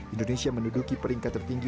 indonesia menduduki peringkat tertinggi